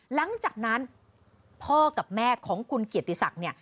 หลังจากนั้นพ่อกับแม่ของคุณเกียรติศักดิ์เนี่ย